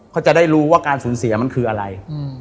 เขาจะได้รู้ว่าการสูญเสียมันคืออะไร